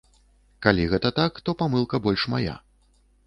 Калі гэта так, то памылка больш мая.